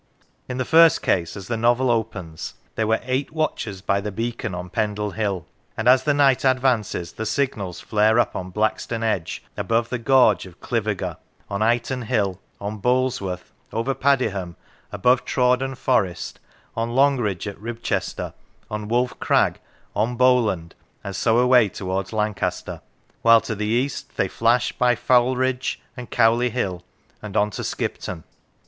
In the first case, as the novel opens :" there were eight watchers by the beacon on Pendle Hill"; and as the night advances, the signals flare up on Blackstone Edge, over the gorge of Cliviger, on Ightenhill, on Boulsworth, over Padiham, above Trawden Forest, on Longridge, at Ribchester, on Wolf Crag, on Bowland, and so away towards Lan caster; while to the east they flash by Foulridge, and Cowley Hill, and on to Skipton.